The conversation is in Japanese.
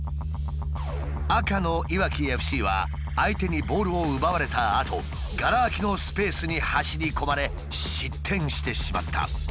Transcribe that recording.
赤のいわきＦＣは相手にボールを奪われたあとがら空きのスペースに走り込まれ失点してしまった。